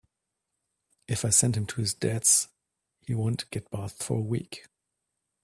If I send him to his Dad’s he won’t get bathed for a week.